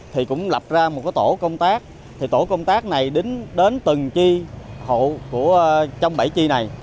thì cũng lập ra một tổ công tác thì tổ công tác này đến từng chi hộ trong bảy chi này